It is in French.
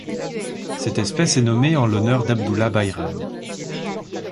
Cette espèce est nommée en l'honneur d'Abdullah Bayram.